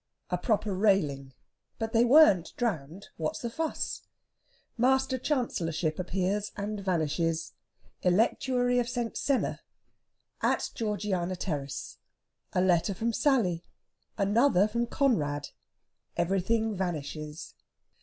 A PROPER RAILING. BUT THEY WEREN'T DROWNED. WHAT'S THE FUSS? MASTER CHANCELLORSHIP APPEARS AND VANISHES. ELECTUARY OF ST. SENNA. AT GEORGIANA TERRACE. A LETTER FROM SALLY. ANOTHER FROM CONRAD. EVERYTHING VANISHES!